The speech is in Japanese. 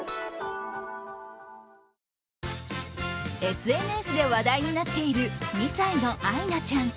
ＳＮＳで話題になっている、２歳のあいなちゃん。